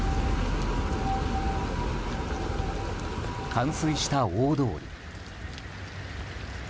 冠水した大通り。